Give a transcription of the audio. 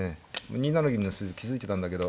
２七銀の筋気付いてたんだけど。